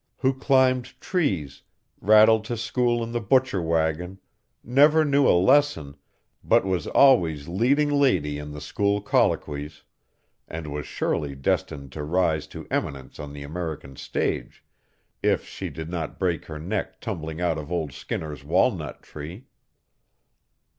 Who climbed trees, rattled to school in the butcher wagon, never knew a lesson, but was always leading lady in the school colloquies, and was surely destined to rise to eminence on the American stage if she did not break her neck tumbling out of old Skinner's walnut tree?